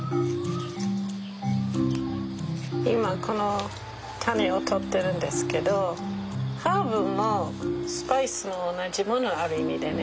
今このタネを取ってるんですけどハーブもスパイスも同じものある意味でね。